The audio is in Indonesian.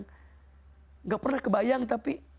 tidak pernah kebayang tapi